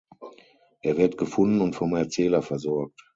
Er wird gefunden und vom Erzähler versorgt.